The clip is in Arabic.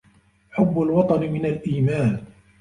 حب الوطن من الإيمان